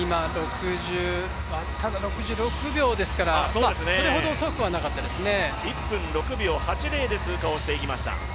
ただ、６６秒ですから、それほど遅くはなかったですね。